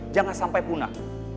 jangan sampai punah